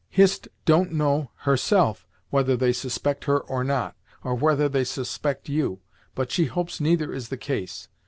"Hist don't know, herself, whether they suspect her or not, or whether they suspect you, but she hopes neither is the case.